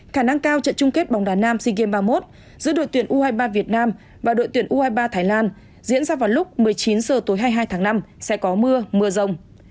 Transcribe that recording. khả năng cao trận chung kết bóng đá nam sea games ba mươi một giữa đội tuyển u hai mươi ba việt nam và đội tuyển u hai mươi ba thái lan diễn ra vào lúc một mươi chín h tối hai mươi hai tháng năm sẽ có mưa mưa rông